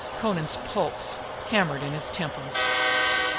Amra's pulse hammered in his temples.